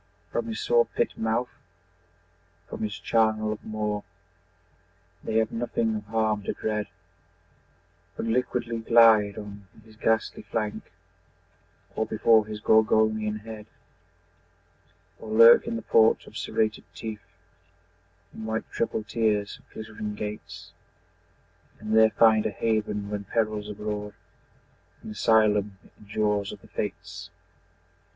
From his saw pit mouth, from his charnel of maw The have nothing of harm to dread, But liquidly glide on his ghastly flank Or before his Gorgonian head; Or lurk in the port of serrated teeth In white triple tiers of glittering gates, And there find a haven when peril's abroad, An asylum in jaws of the Fates!